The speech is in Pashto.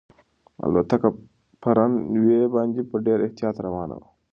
الوتکه په رن وې باندې په ډېر احتیاط روانه وه.